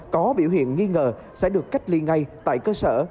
có biểu hiện nghi ngờ sẽ được cách ly ngay tại cơ sở